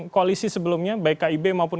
koalisi sebelumnya baik kib maupun